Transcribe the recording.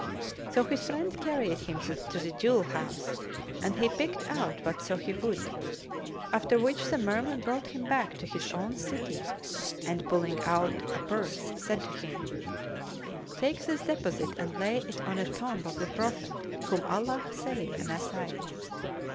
So his friend carried him to the jewel house and he picked out whatso he would, after which the Merman brought him back to his own city and pulling out a purse, said to him, "Take this deposit and lay it on the tomb of the Prophet, whom Allah save and assain!"